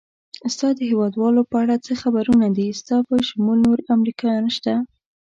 ستا د هېوادوالو په اړه څه خبرونه دي؟ ستا په شمول نور امریکایان شته؟